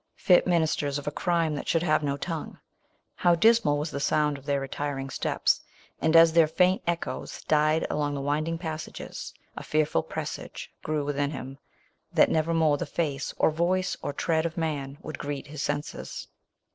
Fit ministers of a crime that should have no tongue ! How dismal was the'sound of their retiring steps ! And, as their faint echoes died along the winding pass ages, a fearful presage grew within him, that never more the face, or yoice, or tread, of man, would greet his senses.